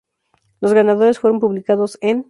Los ganadores fueron publicados enː